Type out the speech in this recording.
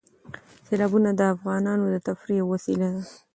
سیلابونه د افغانانو د تفریح یوه وسیله ده.